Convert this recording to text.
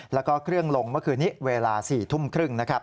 แล้วก็เครื่องลงเมื่อคืนนี้เวลา๖๓๐น